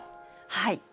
はい。